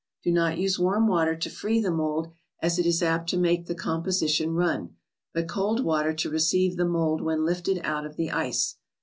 Do not use warm water to free the mold, as it is apt to make the composition run, but cold water to receive the mold when lifted out of the ice.